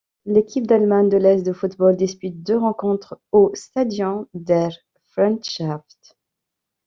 L'équipe d'Allemagne de l'Est de football dispute deux rencontres au Stadion der Freundschaft.